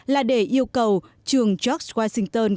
là để yêu cầu trường george washington